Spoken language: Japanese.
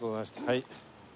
はい。